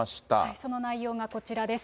その内容がこちらです。